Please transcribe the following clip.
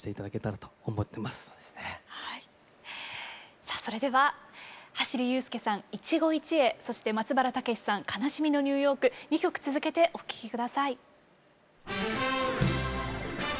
さあそれでは走裕介さん「一期一会」そして松原健之さん「悲しみのニューヨーク」２曲続けてお聴き下さい。